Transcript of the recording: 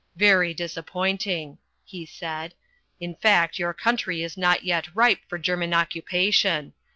"Very disappointing," he said. "In fact your country is not yet ripe for German occupation.